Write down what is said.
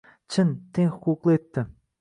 Chin, teng huquqli etdi.